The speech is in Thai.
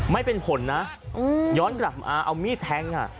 ไม่เป็นผลนะย้อนกลับมาเอามีดแทงอ่ะ